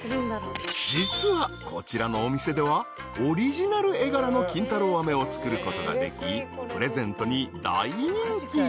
［実はこちらのお店ではオリジナル絵柄の金太郎飴を作ることができプレゼントに大人気］